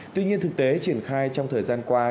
tuy nhiên thực tế triển khai trong thời gian qua